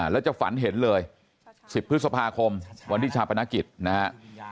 แล้วจะฝันเห็นเลย๑๐พฤษภาคมวันที่ชาปนกิจนะฮะ